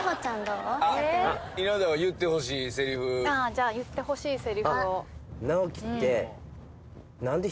じゃあ言ってほしいセリフを。